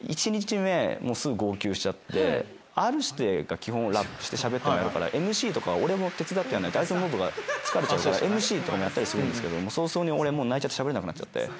Ｒ−指定が基本ラップしてしゃべってもやるからＭＣとかは俺も手伝ってやらないとあいつの喉が疲れちゃうからＭＣとかもやったりするんですけど早々に俺泣いちゃってしゃべれなくなっちゃって。